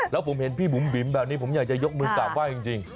แล้วผมเห็นพี่บุ๋มบิ๋มแบบนี้ผมอยากจะยกมือกราบไหว้จริง